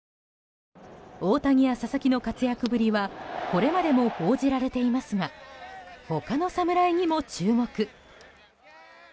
大谷や佐々木の活躍ぶりはこれまでも報じられていますが他の侍にも注目。